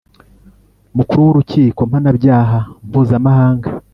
mukuru w'urukiko mpanabyaha mpuzamahanga